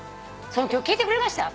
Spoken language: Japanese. その曲聞いてくれました？